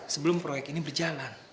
sebelum proyek ini berjalan